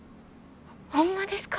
ホンマですか？